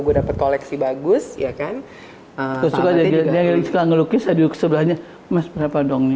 gue dapat koleksi bagus ya kan suka jadi dari sekarang lukis aduk sebelahnya mas berapa dong nih